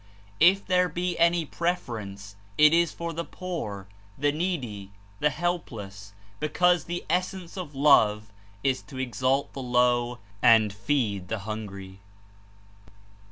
If there be any preference, it is for the poor, the needy, the helpless, because the essence of love Is to exalt the low and feed the hungry.